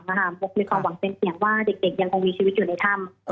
โบกมีความหวังเป็นเสียงว่าเด็กยังคงมีชีวิตอยู่ในถ้ำ